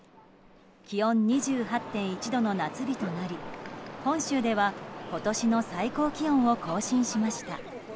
気温２８．１度の夏日となり本州では今年の最高気温を更新しました。